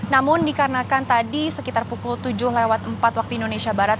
namun dikarenakan tadi sekitar pukul tujuh lewat empat waktu indonesia barat